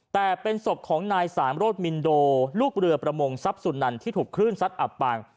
แต่เป็นศพของนายสารโรธมินโดลูกเรือประมงทรัพย์สุนันที่ถูกคลื่นซัดอับปาง